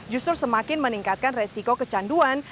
justru semakin meningkatkan resiko kecanduan